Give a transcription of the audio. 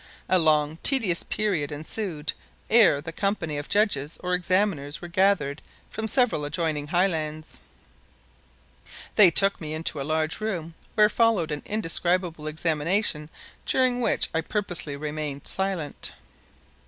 A long, tedious period ensued ere the company of judges or examiners were gathered from several adjoining highlands. They took me into a large room where followed an indescribable examination during which I purposely remained silent.